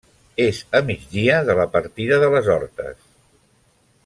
És a migdia de la partida de les Hortes.